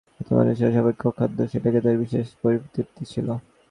শাস্ত্রমতে যেটা সর্বাপেক্ষা অখাদ্য সেইটাতে তার বিশেষ পরিতৃপ্তি ছিল।